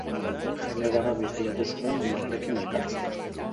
Genevara bidaiatu zuen berearekin elkartzeko.